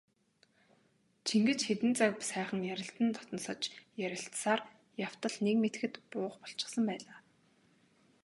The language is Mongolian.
Чингэж хэдэн цаг сайхан ярилцан дотносож ярилцсаар явтал нэг мэдэхэд буух болчихсон байлаа.